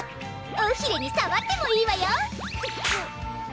尾ひれにさわってもいいわよ！